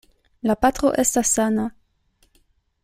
La patro estas sana.